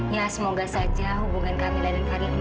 ya semoga saja hubungan kamila dan fadil kembali harmonis